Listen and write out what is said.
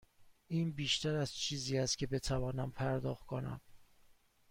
این بیشتر از چیزی است که بتوانم پرداخت کنم.